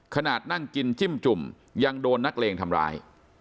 ขนาดนั่งกินจิ้มจุ่มยังโดนนักเลงทำร้าย